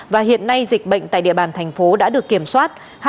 và hiện nay dịch bệnh tại địa bàn thành phố đã được kiểm soát